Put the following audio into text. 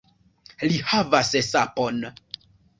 Li havas sapon!